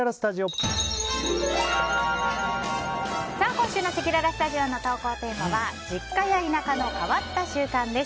今週のせきららスタジオの投稿テーマは実家や田舎の変わった習慣です。